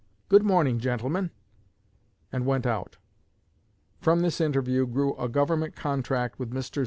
Good morning, gentlemen,' and went out. From this interview grew a Government contract with Messrs.